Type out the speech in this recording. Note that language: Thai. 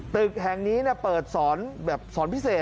ตึกแห่งนี้เปิดสอนแบบสอนพิเศษ